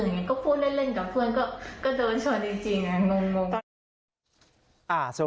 ยังนี้ก็พูดเล่นกับเพื่อนก็โดนโชนจริง